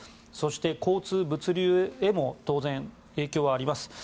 そして交通・物流へも当然、影響があります。